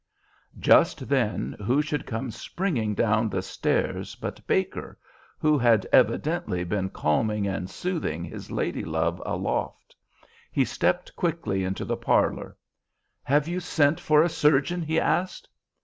Just then who should come springing down the stairs but Baker, who had evidently been calming and soothing his lady love aloft. He stepped quickly into the parlor. "Have you sent for a surgeon?" he asked.